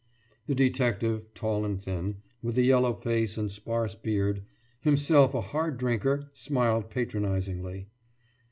« The detective, tall and thin, with a yellow face and sparse beard, himself a hard drinker, smiled patronizingly.